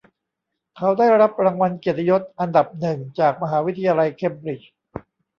เขาได้รับรางวัลเกียรติยศอันดับหนึ่งจากมหาวิทยาลัยเคมบริดจ์